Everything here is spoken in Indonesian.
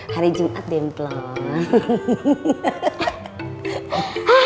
hari jumat deh mbak mir